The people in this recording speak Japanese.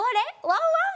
ワンワン！